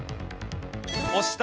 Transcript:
押した。